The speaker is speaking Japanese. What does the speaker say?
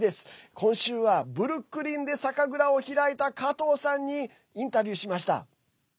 今週はブルックリンで酒蔵を開いた加藤さんにインタビューしました。